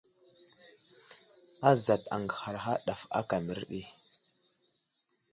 Azat aŋgəhara ɗaf aka mərdi.